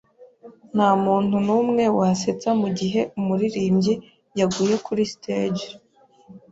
Nta muntu numwe wasetsa mugihe umuririmbyi yaguye kuri stage